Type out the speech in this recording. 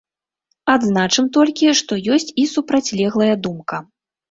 Адзначым толькі, што ёсць і супрацьлеглая думка.